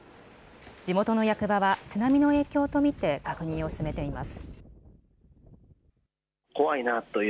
地元の役場は津波の影響と見て確認を進めています。